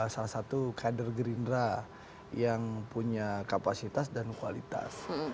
salah satu kader gerindra yang punya kapasitas dan kualitas